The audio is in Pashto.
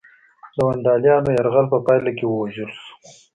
د ونډالیانو یرغل په پایله کې ووژل شو